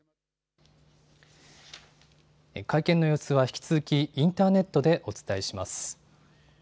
会見の様子は引き続きインターネットでお伝えします。